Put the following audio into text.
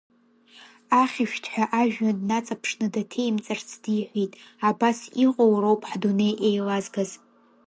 Ахьышәҭҳәа ажәҩан днаҵаԥшны даҭеимҵарц диҳәеит, абас иҟоу роуп ҳдунеи еилазгаз.